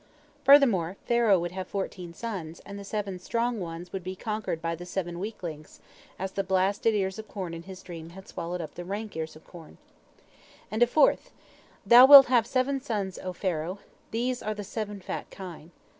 Furthermore, Pharaoh would have fourteen sons, and the seven strong ones would be conquered by the seven weaklings, as the blasted ears of corn in his dream had swallowed up the rank ears of corn. And a fourth: "Thou wilt have seven sons, O Pharaoh, these are the seven fat kine.